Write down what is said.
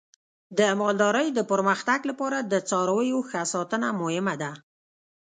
د مالدارۍ د پرمختګ لپاره د څارویو ښه ساتنه مهمه ده.